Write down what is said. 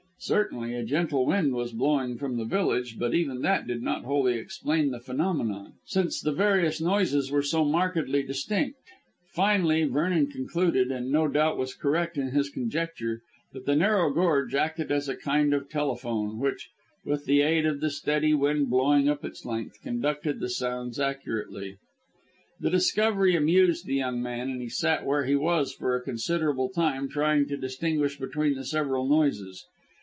Certainly, a gentle wind was blowing from the village, but even that did not wholly explain the phenomenon, since the various noises were so markedly distinct. Finally, Vernon concluded, and no doubt was correct in his conjecture, that the narrow gorge acted as a kind of telephone, which, with the aid of the steady wind blowing up its length, conducted the sounds accurately. The discovery amused the young man, and he sat where he was for a considerable time trying to distinguish between the several noises.